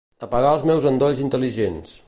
Apagar els meus endolls intel·ligents.